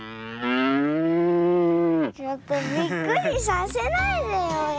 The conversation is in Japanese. ちょっとびっくりさせないでよやるから。